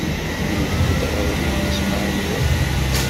Kul ḥedd, ɣer win-is maɛduṛ.